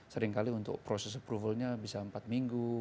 seringkali untuk proses approvalnya bisa empat minggu